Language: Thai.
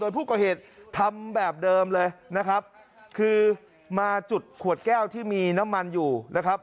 โดยผู้ก่อเหตุทำแบบเดิมเลยนะครับคือมาจุดขวดแก้วที่มีน้ำมันอยู่นะครับ